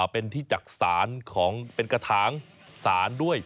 เป็นที่จักษานของเป็นกระถางศาลด้วย